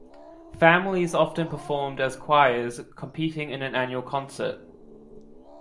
Families often performed as choirs, competing in an annual concert.